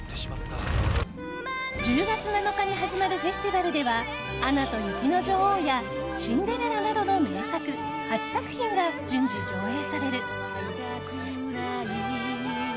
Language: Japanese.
１０月７日に始まるフェスティバルでは「アナと雪の女王」や「シンデレラ」などの名作８作品が順次上映される。